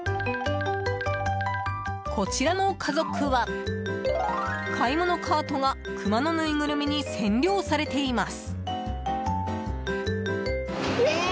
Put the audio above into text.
こちらの家族は買い物カートがクマのぬいぐるみに占領されています。